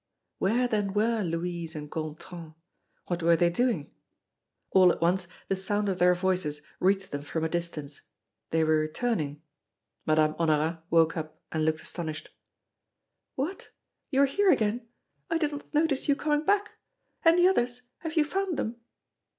Where then were Louise and Gontran? What were they doing? All at once, the sound of their voices reached them from a distance. They were returning. Madame Honorat woke up and looked astonished. "What! you are here again! I did not notice you coming back. And the others, have you found them?"